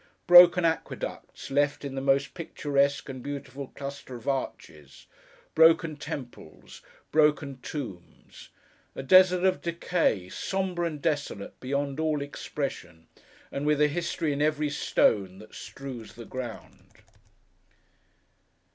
Broken aqueducts, left in the most picturesque and beautiful clusters of arches; broken temples; broken tombs. A desert of decay, sombre and desolate beyond all expression; and with a history in every stone that strews the ground.